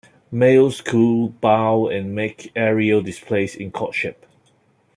Males coo, bow and make aerial displays in courtship.